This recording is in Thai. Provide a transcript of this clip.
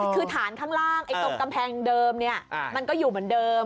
คือฐานข้างล่างตรงกำแพงเดิมมันก็อยู่เหมือนเดิม